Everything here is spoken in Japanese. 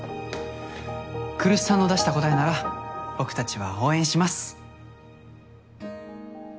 来栖さんの出した答えなら僕たちは応援します。